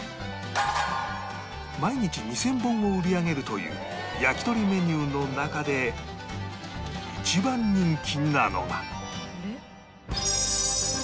毎日２０００本を売り上げるという焼き鳥メニューの中で一番人気なのが